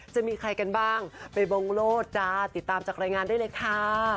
จะมีใครกันบ้างไปบงโลศจ้าติดตามจากรายงานได้เลยค่ะ